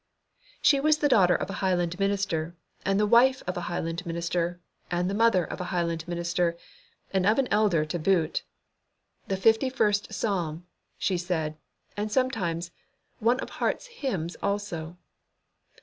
She was the daughter of a Highland minister, and the wife of a Highland minister, and the mother of a Highland minister, and of an elder to boot. "The Fifty first Psalm," she said, and sometimes, "One of Hart's hymns also."